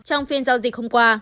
trong phiên giao dịch hôm qua